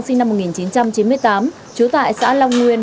sinh năm một nghìn chín trăm chín mươi tám trú tại xã long nguyên